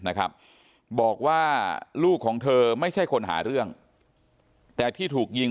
นะครับบอกว่าลูกของเธอไม่ใช่คนหาเรื่องแต่ที่ถูกยิง